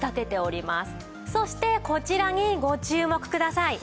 そしてこちらにご注目ください。